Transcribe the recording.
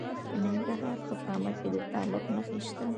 د ننګرهار په کامه کې د تالک نښې شته.